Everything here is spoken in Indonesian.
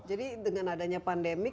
jadi dengan adanya pandemi